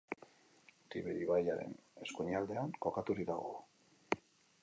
Tiber ibaiaren eskuinaldean kokaturik dago.